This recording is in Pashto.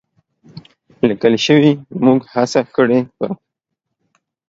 لیکل شوې، موږ هڅه کړې په